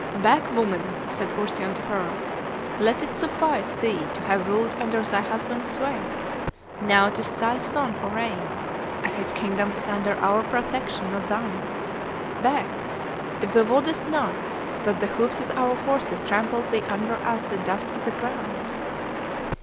'Back, woman,' said Ursion to her; 'let it suffice thee to have ruled under thy husband's sway; now 'tis thy son who reigns, and his kingdom is under our protection, not thine. Back! if thou wouldest not that the hoofs of our horses trample thee under as the dust of the ground!